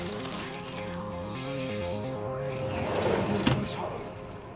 ・・よいしょ。